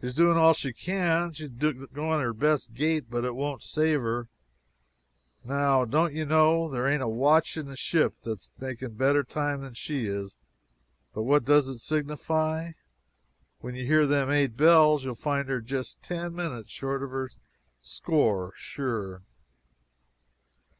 She's doing all she can she's going her best gait, but it won't save her. Now, don't you know, there ain't a watch in the ship that's making better time than she is, but what does it signify? When you hear them eight bells you'll find her just about ten minutes short of her score sure."